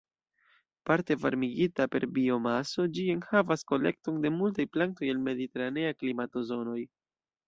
Parte varmigita per biomaso, ĝi enhavas kolekton de multaj plantoj el mediteranea klimato-zonoj.